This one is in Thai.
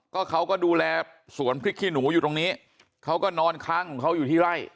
ก็เขาก็ดูแลสวนพริกขี้หนูอยู่ตรงนี้เขาก็นอนค้างของเขาอยู่ที่ไร่